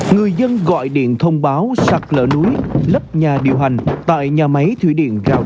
người dân gọi điện thông báo sạc lỡ núi lấp nhà điều hành tại nhà máy thủy điện rào